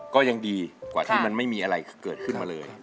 ก็ยังดีกว่าที่มันไม่มีอะไรเกิดขึ้นมาเลย